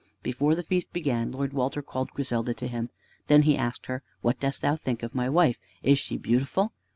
Before the feast began, Lord Walter called Griselda to him. Then he asked her, "What dost thou think of my wife? Is she beautiful?"